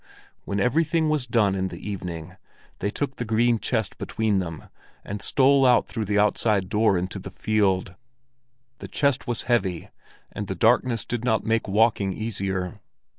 When everything was done in the evening, they took the green chest between them, and stole out through the outside door into the field. The chest was heavy, and the darkness did not make walking easier.